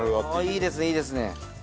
いいですねいいですね。